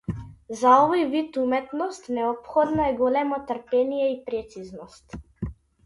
За овој вид уметност неопходно е големо трпение и прецизност.